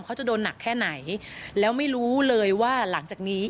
เขาจะโดนหนักแค่ไหนแล้วไม่รู้เลยว่าหลังจากนี้